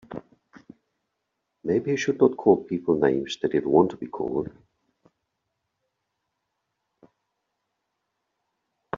Maybe he should not call people names that they don't want to be called.